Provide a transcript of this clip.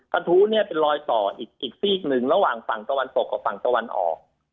กระทู้เนี่ยเป็นรอยต่ออีกซีกหนึ่งระหว่างฝั่งตะวันตกกับฝั่งตะวันออก